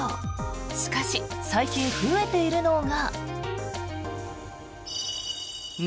しかし、最近増えているのが。